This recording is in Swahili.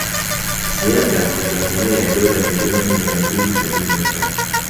Ziada kwa Tanzania ya dola milioni mia mbili sabini na tatu